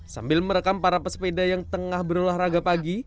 sambil merekam para pesepeda yang tengah berolahraga pagi